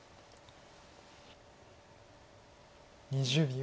２０秒。